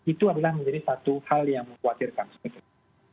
itu adalah menjadi satu hal yang membuat khawatirkan